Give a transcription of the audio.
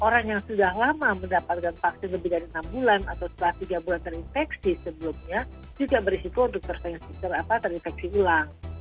orang yang sudah lama mendapatkan vaksin lebih dari enam bulan atau setelah tiga bulan terinfeksi sebelumnya juga berisiko untuk terinfeksi ulang